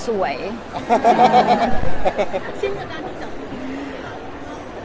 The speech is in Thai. ชื่นสุดท้ายที่เจ๋งคุณ